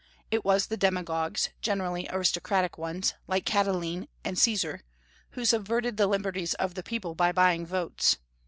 It was the demagogues, generally aristocratic ones, like Catiline and Caesar, who subverted the liberties of the people by buying votes.